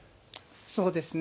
そうですね。